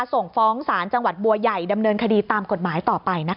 ส่งฟ้องดรบจบัวใหญ่ดำเนินคณีตตามกฏหมายต่อไปนะคะ